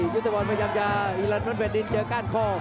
ยุทธบอลพยายามจะทีละน้ำเป็นดินเจอก้านข้อ